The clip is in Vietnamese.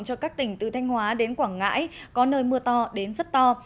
cho các tỉnh từ thanh hóa đến quảng ngãi có nơi mưa to đến rất to